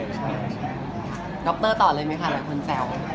ดรต่อเลยไหมคะหลายคนแซว